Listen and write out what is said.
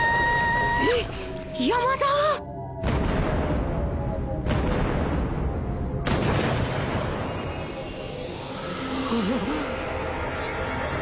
えっ山田！？ああ。